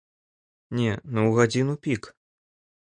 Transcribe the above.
Не, ну ў гадзіну-пік!